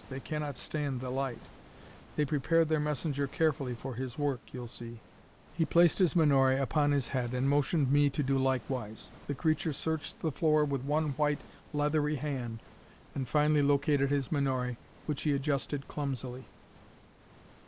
They cannot stand the light; they prepared their messenger carefully for his work, you'll see." He placed his menore upon his head, and motioned me to do likewise. The creature searched the floor with one white, leathery hand, and finally located his menore, which he adjusted clumsily.